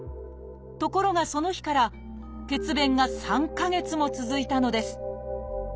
ところがその日から血便が３か月も続いたのです。